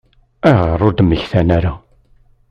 Ayɣer ur d-mmektan ara?